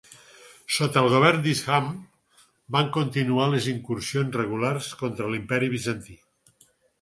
Sota el govern d'Hisham, van continuar les incursions regulars contra l'Imperi Bizantí.